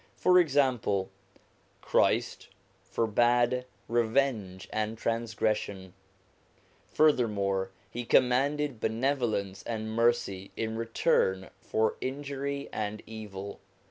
For example, Christ forbade revenge and transgression ; furthermore, he commanded benevolence and mercy in return for injury and evil.